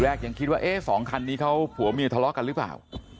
ยังคิดว่าเอ๊ะสองคันนี้เขาผัวเมียทะเลาะกันหรือเปล่า